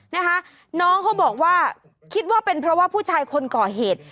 นะคะน้องเขาบอกว่าคิดว่าเป็นเพราะว่าผู้ชายคนก่อเหตุ